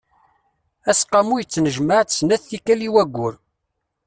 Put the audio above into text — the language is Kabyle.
Aseqqamu yettnejmaε-d snat tikal i wayyur.